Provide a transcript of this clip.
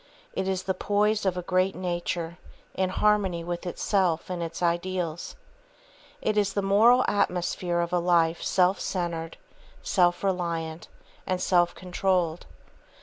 It is the poise of a great nature, in harmony with itself and its ideals. It is the moral atmosphere of a life self centred, self reliant, and self controlled.